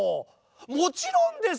もちろんですよ！